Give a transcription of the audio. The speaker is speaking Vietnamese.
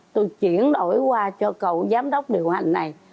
tôi chuyển đổi qua cho cầu giám đốc điều hành này